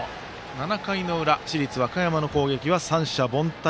７回の裏、市立和歌山の攻撃は三者凡退。